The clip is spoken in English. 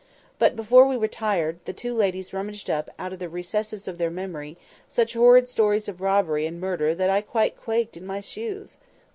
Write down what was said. But before we retired, the two ladies rummaged up, out of the recesses of their memory, such horrid stories of robbery and murder that I quite quaked in my shoes.